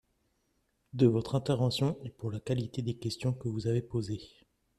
de votre intervention et pour la qualité des questions que vous avez posées.